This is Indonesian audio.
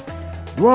berarti besok hari